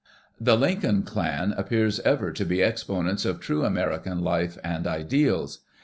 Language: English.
The Lincoln clan appears ever to be exponents of true American life and ideals.